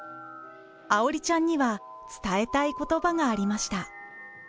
愛織ちゃんには伝えたい言葉がありました。